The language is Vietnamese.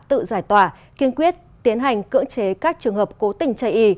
tự giải tỏa kiên quyết tiến hành cưỡng chế các trường hợp cố tình chạy ý